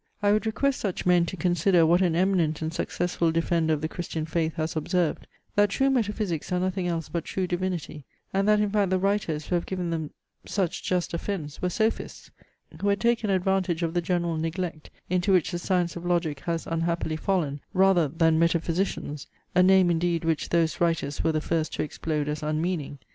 I would request such men to consider what an eminent and successful defender of the Christian faith has observed, that true metaphysics are nothing else but true divinity, and that in fact the writers, who have given them such just offence, were sophists, who had taken advantage of the general neglect into which the science of logic has unhappily fallen, rather than metaphysicians, a name indeed which those writers were the first to explode as unmeaning.